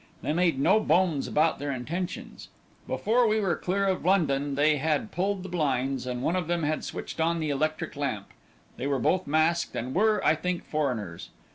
They made no bones about their intentions. Before we were clear of London they had pulled the blinds, and one of them had switched on the electric lamp. They were both masked, and were, I think, foreigners.